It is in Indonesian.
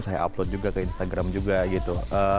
saya upload juga ke instagram juga gitu